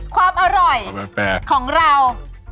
ความอร่อยของเรา